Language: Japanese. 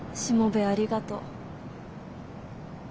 しもべえありがとう。